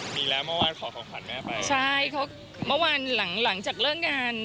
มีแล้วเมื่อวานขอของขวัญแม่ไปใช่เขาเมื่อวานหลังจากเลิกงาน